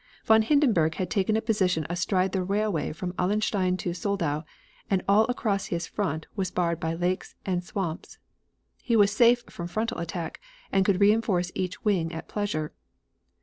Von Hindenburg had taken a position astride the railway from Allenstein to Soldau, and all access to his front was barred by lakes and swamps. He was safe from frontal attack, and could reinforce each wing at pleasure.